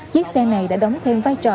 chiếc xe này đã đóng thêm vai trò